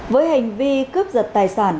với hành vi cướp giật tài sản